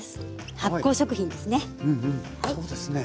発酵食品ですね。